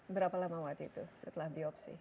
berapa lama waktu itu setelah biopsi